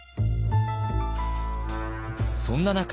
そんな中